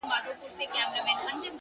په دغسي شېبو كي عام اوخاص اړوي سـترگي ـ